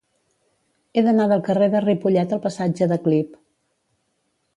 He d'anar del carrer de Ripollet al passatge de Clip.